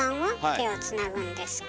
手をつなぐんですか？